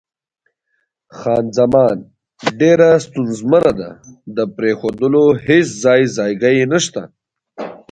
خان زمان: ډېره ستونزمنه ده، د پرېښودلو هېڅ ځای ځایګی یې نشته.